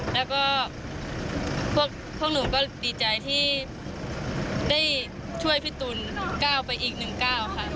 แล้วก็พวกหนูก็ดีใจที่ได้ช่วยพี่ตูนก้าวไปอีก๑๙ค่ะ